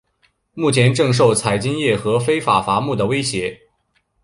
目前正受采金业和非法伐木的威胁。